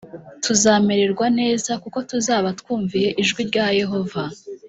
tuzamererwa neza kuko tuzaba twumviye ijwi rya yehova